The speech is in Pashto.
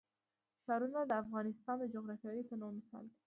ښارونه د افغانستان د جغرافیوي تنوع مثال دی.